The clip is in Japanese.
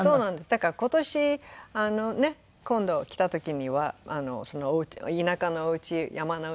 だから今年今度来た時には田舎のお家山のお家を。